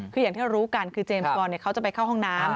คืออย่างที่รู้กันคือเจมส์บอลเขาจะไปเข้าห้องน้ำ